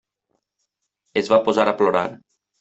Es va posar a plorar.